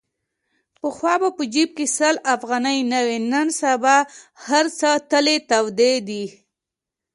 پخوا په جیب کې سل افغانۍ نه وې. نن سبا هرڅه تلې تودې دي.